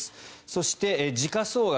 そして時価総額